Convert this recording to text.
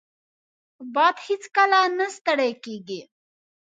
باد هیڅکله نه ستړی کېږي